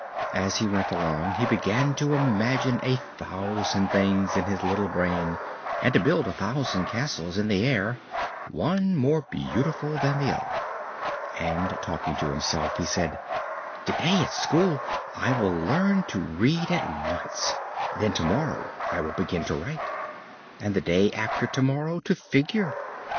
As he went along he began to imagine a thousand things in his little brain and to build a thousand castles in the air, one more beautiful than the other. And, talking to himself, he said: "Today at school I will learn to read at once; then tomorrow I will begin to write, and the day after tomorrow to figure.